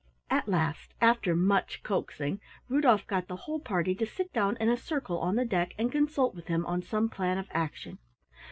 At last, after much coaxing, Rudolf got the whole party to sit down in a circle on the deck and consult with him on some plan of action.